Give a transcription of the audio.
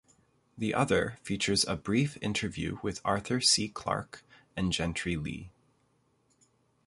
The other features a brief interview with Arthur C. Clarke and Gentry Lee.